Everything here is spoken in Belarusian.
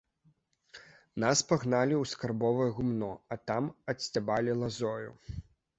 Нас пагналі ў скарбовае гумно, а там адсцябалі лазою.